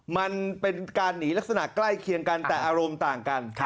มันเป็นการหนีลักษณะใกล้เคียงกันแต่อารมณ์ต่างกัน